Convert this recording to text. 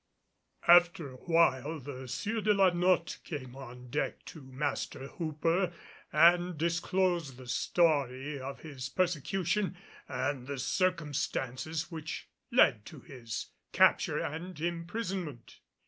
After awhile the Sieur de la Notte came on deck to Master Hooper and disclosed the story of his persecution and the circumstances which led to his capture and imprisonment.